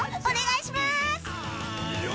お願いします！